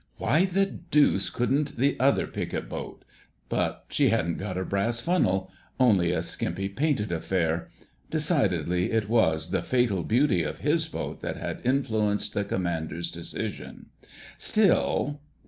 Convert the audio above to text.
"Why the deuce couldn't the other Picket boat...? But she hadn't got a brass funnel—only a skimpy painted affair. Decidedly it was the fatal beauty of his boat that had influenced the Commander's decision. Still..."